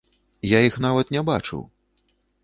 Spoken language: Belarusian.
Я іх нават не бачыў!